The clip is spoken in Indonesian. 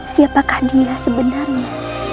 siapakah dia sebenarnya